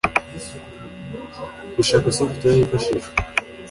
Gushaka software yifashishwa